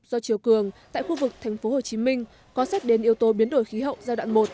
do chiều cường tại khu vực thành phố hồ chí minh có xét đến yếu tố biến đổi khí hậu giai đoạn một